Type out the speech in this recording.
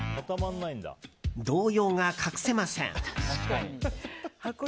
動揺が隠せません。